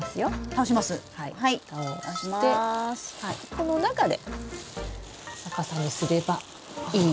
この中で逆さにすればいい。